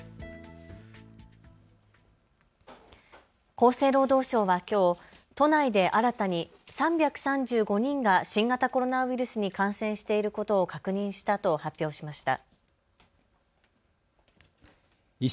厚生労働省はきょう都内で新たに３３５人が新型コロナウイルスに感染していることを確認したと発表しました。